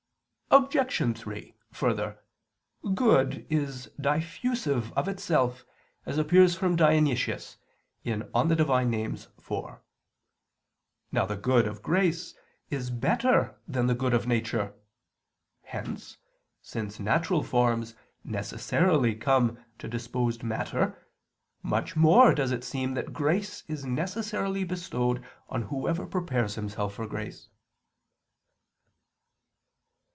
Obj. 3: Further, good is diffusive of itself, as appears from Dionysius (Div. Nom. iv). Now the good of grace is better than the good of nature. Hence, since natural forms necessarily come to disposed matter, much more does it seem that grace is necessarily bestowed on whoever prepares himself for grace.